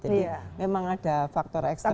memang ada faktor eksternal